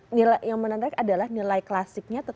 karena kan pasti yang menandai adalah nilai klasiknya itu kan